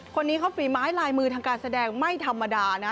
คนนี้เขาฝีไม้ลายมือทางการแสดงไม่ธรรมดานะ